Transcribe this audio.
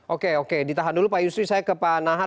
oke oke ditahan dulu pak yusri saya ke pak nahar